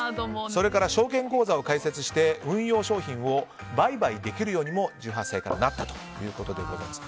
それから証券口座を開設して運用商品を売買できるようにも１８歳からなったということでございます。